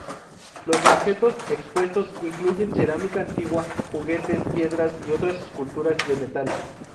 Los objetos expuestos incluyen cerámica antigua, juguetes, piedras y otras esculturas de metal.